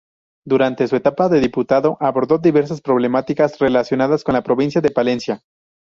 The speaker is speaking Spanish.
Durante su etapa de diputado, abordó diversas problemáticas relacionadas con la provincia de Palencia.